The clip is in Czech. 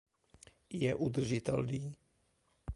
Je udržitelný?